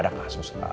ada kasus lah